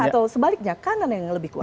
atau sebaliknya kanan yang lebih kuat